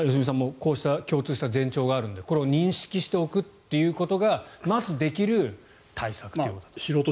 こうした共通点があるのでこれを認識しておくということがまずできる対策と。